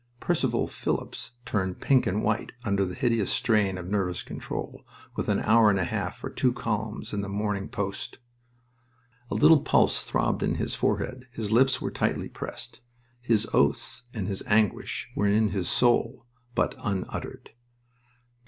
Percival Phillips turned pink and white under the hideous strain of nervous control, with an hour and a half for two columns in The Morning Post. A little pulse throbbed in his forehead. His lips were tightly pressed. His oaths and his anguish were in his soul, but unuttered.